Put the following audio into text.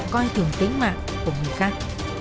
coi thường tính mạng của người khác